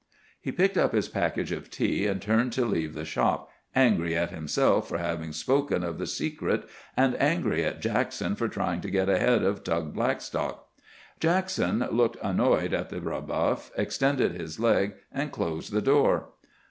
He picked up his package of tea and turned to leave the shop, angry at himself for having spoken of the secret and angry at Jackson for trying to get ahead of Tug Blackstock. Jackson, looking annoyed at the rebuff, extended his leg and closed the door.